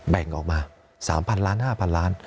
แบ่งออกมา๓๐๐ล้าน๕๐๐ล้าน